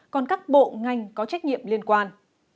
còn các bộ ngành có trách nhiệm liên quan